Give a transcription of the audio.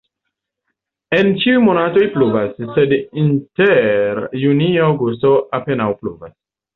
En ĉiuj monatoj pluvas, sed inter junio-aŭgusto apenaŭ pluvas.